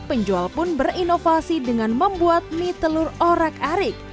penjual pun berinovasi dengan membuat mie telur orak arik